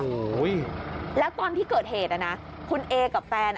โอ้โหแล้วตอนที่เกิดเหตุนะคุณเอกับแฟน